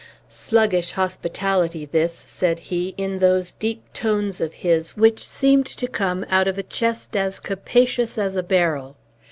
"Sluggish hospitality this!" said he, in those deep tones of his, which seemed to come out of a chest as capacious as a barrel.